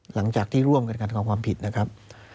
หลังจากที่ร่วมกันการทำความผิดนะครับ